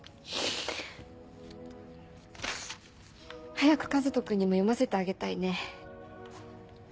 早く和人くんにも読ませてあげたいね。